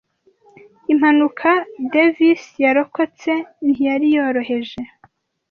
Impanuka Davisi yarokotse ntiyari yoroheje